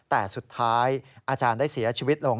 แต่สุดท้ายอาจารย์ได้เสียชีวิตลง